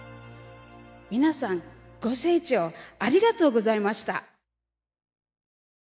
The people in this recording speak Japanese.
皆さんご清聴ありがとうございました。